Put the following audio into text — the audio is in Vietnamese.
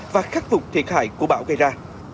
và khắc phục thiệt hại của bão gây ra